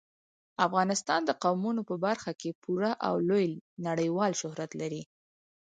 افغانستان د قومونه په برخه کې پوره او لوی نړیوال شهرت لري.